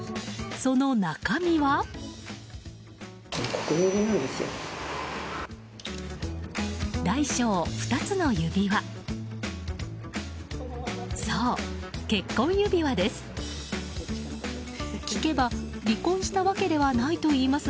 そう、結婚指輪です。